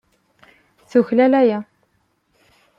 Tuklal aya.